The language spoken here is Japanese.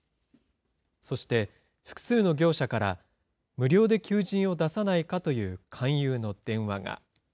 そして複数の業者から、無料で求人を出さないかという勧誘の電話が。